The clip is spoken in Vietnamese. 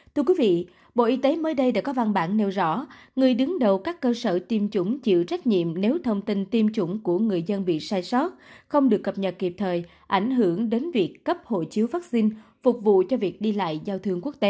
thưa quý vị bộ y tế mới đây đã có văn bản nêu rõ người đứng đầu các cơ sở tiêm chủng chịu trách nhiệm nếu thông tin tiêm chủng của người dân bị sai sót không được cập nhật kịp thời ảnh hưởng đến việc cấp hộ chiếu vaccine phục vụ cho việc đi lại giao thương quốc tế